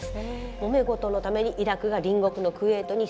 もめ事のためにイラクが隣国のクウェートに攻め入った。